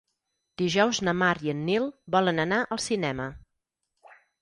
Dijous na Mar i en Nil volen anar al cinema.